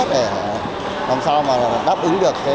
để làm sao mà đáp ứng được